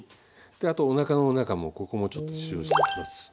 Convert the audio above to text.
であとおなかの中もここもちょっと塩をしておきます。